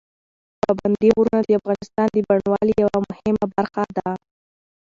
پابندي غرونه د افغانستان د بڼوالۍ یوه مهمه برخه ده.